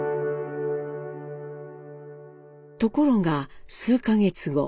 ところが数か月後。